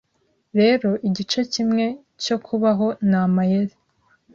Rero igice kimwe cyo kubaho ni amayeri